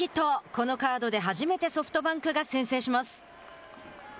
このカードで初めてソフトバンクが先制します。